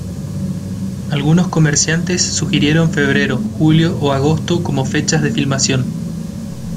Algunos comerciantes sugirieron febrero, julio o agosto como fechas de filmación.